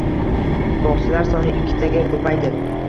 Bog‘chalar soni ikkitaga ko‘paydi